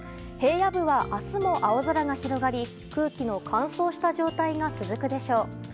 平野部は明日も青空が広がり空気の乾燥した状態が続くでしょう。